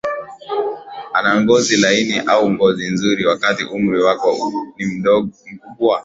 a na ngozi laini au ngozi nzuri wakati umri wako ni mkubwa